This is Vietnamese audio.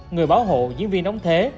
người bảo hộ diễn viên ống thế